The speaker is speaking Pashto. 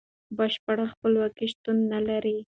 بشپړه خپلواکي شتون نلري.